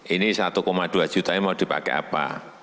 ini rp satu dua jutaan mau dipakai apa